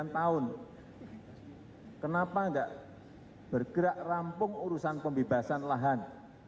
dua puluh sembilan tahun kenapa enggak bergerak rampung urusan pembebasan lahan